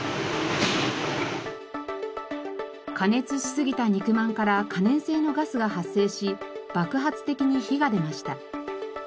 加熱しすぎた肉まんから可燃性のガスが発生し爆発的に火が出ました。